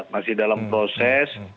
masih dalam proses